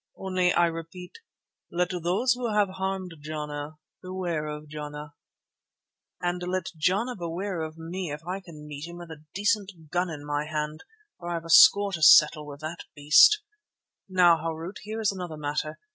Only I repeat—let those who have harmed Jana beware of Jana." "And let Jana beware of me if I can meet him with a decent gun in my hand, for I have a score to settle with the beast. Now, Harût, there is another matter.